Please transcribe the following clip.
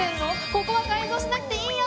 ここは改造しなくていいよ！